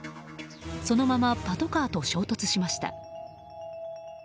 そのままパトカーと衝突しました。